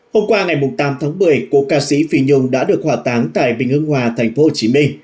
hôm qua ngày tám tháng một mươi cổ ca sĩ phi nhung đã được hòa táng tại bình hương hòa thành phố hồ chí minh